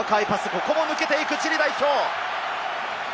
ここも抜けていくチリ代表！